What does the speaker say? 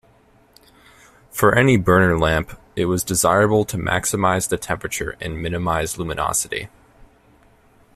For any burner lamp, it was desirable to maximize the temperature and minimize luminosity.